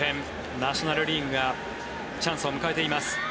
ナショナル・リーグがチャンスを迎えています。